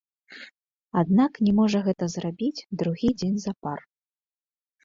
Аднак, не можа гэта зрабіць другі дзень запар.